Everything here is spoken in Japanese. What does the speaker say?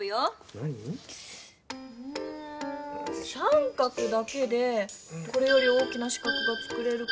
なに⁉うん三角だけでこれより大きな四角がつくれるかなぁ？